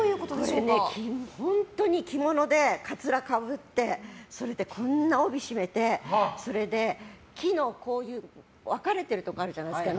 これね、本当に着物でかつらをかぶってそれでこんな帯、締めて木の分かれてるところあるじゃないですか。